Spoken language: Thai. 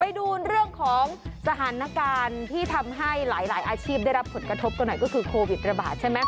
ไปดูเรื่องของสถานการณ์ที่ทำให้หลายอาชีพได้รับผลกระทบกันหน่อยก็คือโควิดระบาดใช่ไหม